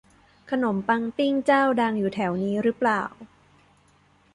ขนมปังปิ้งเจ้าดังอยู่แถวนี้รึเปล่า